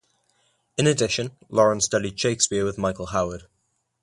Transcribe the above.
In addition, Lauren studied Shakespeare with Michael Howard.